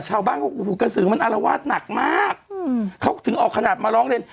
ชาวบ้านของหูกระสือมันอารวาสหนักมากอืมเขาถึงออกขนาดมาร้องเรน